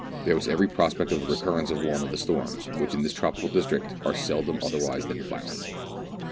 There was every prospect of the recurrence of one of the storms which in this tropical district are seldom otherwise than violent.